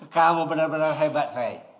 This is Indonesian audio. kamu benar benar hebat saya